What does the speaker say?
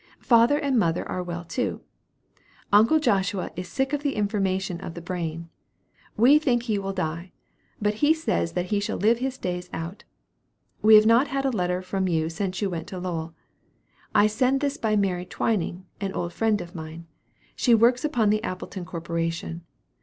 Father and Mother are well too. Uncle Joshua is sick of the information of the brain. We think he will die, but he says that he shall live his days out. We have not had a letter from you since you went to Lowell. I send this by Mary Twining, an old friend of mine. She works upon the Appletown Corporation.